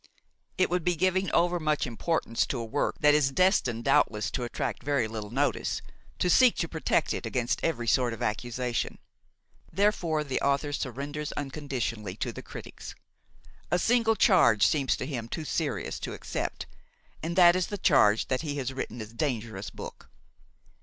It would be giving overmuch importance to a work that is destined doubtless to attract very little notice, to seek to protect it against every sort of accusation. Therefore the author surrenders unconditionally to the critics; a single charge seems to him too serious to accept, and that is the charge that he has written a dangerous book.